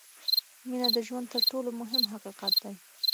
• مینه د ژوند تر ټولو مهم حقیقت دی.